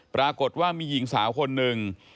ปรากฏว่ามีหญิงสาวคนหนึ่ง